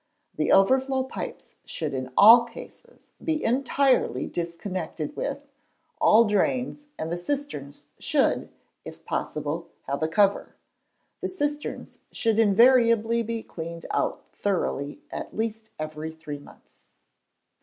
The overflow pipes should in all cases be entirely disconnected with, all drains, and the cisterns should, if possible have a cover. The cisterns should invariably be cleaned out thoroughly at least every three months.